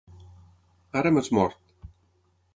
Ara m'has mort!